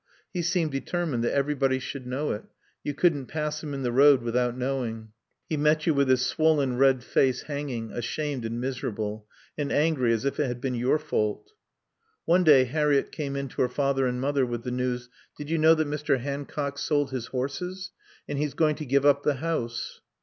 He seemed determined that everybody should know it; you couldn't pass him in the road without knowing. He met you with his swollen, red face hanging; ashamed and miserable, and angry as if it had been your fault. One day Harriett came in to her father and mother with the news. "Did you know that Mr. Hancock's sold his horses? And he's going to give up the house."